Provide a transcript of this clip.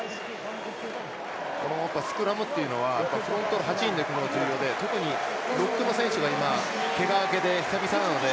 スクラムっていうのはフロントの８人で組むのが重要で特にロックの選手が、けが明けで久々なので。